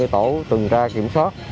hai mươi tổ tuần tra kiểm soát